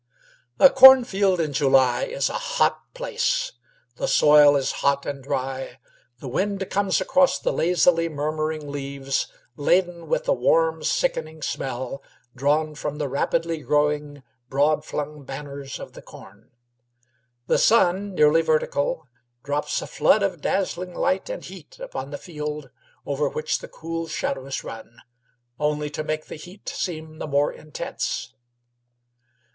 A corn field in July is a sultry place. The soil is hot and dry; the wind comes across the lazily murmuring leaves laden with a warm, sickening smell drawn from the rapidly growing, broad flung banners of the corn. The sun, nearly vertical, drops a flood of dazzling light upon the field over which the cool shadows run, only to make the heat seem the more intense.